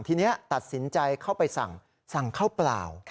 ทีนี้ตัดสินใจเข้าไปสั่งข้าวเปล่า